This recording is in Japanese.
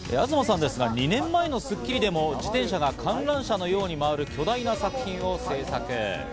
東さんですが、２年前の『スッキリ』でも自転車が観覧車のように回る巨大な作品を制作。